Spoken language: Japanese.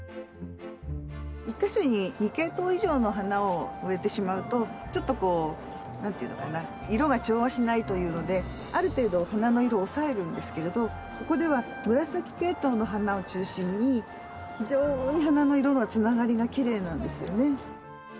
１か所に２系統以上の花を植えてしまうとちょっとこう何ていうのかな色が調和しないというのである程度花の色を抑えるんですけれどここでは紫系統の花を中心に非常に花の色のつながりがきれいなんですよね。